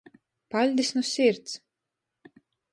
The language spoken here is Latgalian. Paļdis nu sirds!